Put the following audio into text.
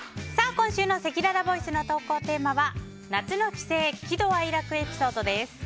今週のせきららボイスの投稿テーマは夏の帰省喜怒哀楽エピソードです。